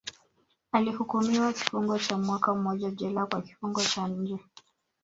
Alihukumiwa kifungo cha mwaka mmoja jela kwa kifungo cha nje